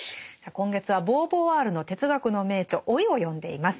今月はボーヴォワールの哲学の名著「老い」を読んでいます。